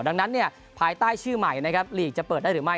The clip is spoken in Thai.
ดังนั้นเนี่ยภายใต้ชื่อใหม่นะครับลีกจะเปิดได้หรือไม่